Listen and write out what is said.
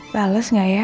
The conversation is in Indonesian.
balas gak ya